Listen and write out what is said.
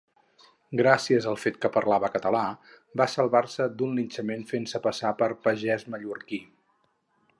Gràcies al fet que parlava català, va salvar-se d'un linxament fent-se passar per pagès mallorquí.